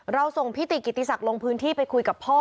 เราส่งพิติกิติศักดิ์ลงพื้นที่ไปคุยกับพ่อ